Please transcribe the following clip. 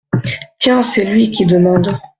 Tiens, c’est lui, qui demande…